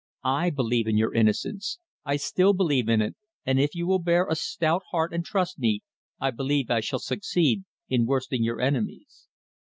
I believe in your innocence I still believe in it, and if you will bear a stout heart and trust me, I believe I shall succeed in worsting your enemies."